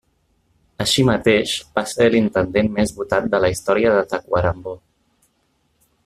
Així mateix, va ser l'intendent més votat de la història de Tacuarembó.